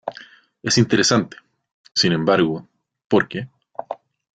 Es interesante, sin embargo, porque